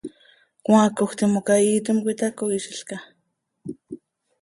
¿Cmaacoj timoca iiitim cöitacooizilca?